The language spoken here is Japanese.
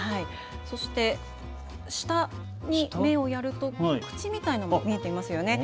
そして下に目をやると口みたいなのも見えていますね。